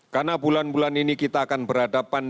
karena bulan bulan ini kita akan berhadapan